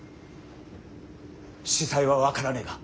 子細は分からねえが